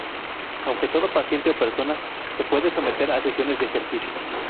Aunque todo paciente o persona se puede someter a sesiones de ejercicio.